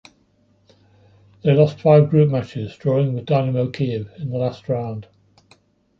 They lost five group matches, drawing with Dynamo Kyiv in the last round.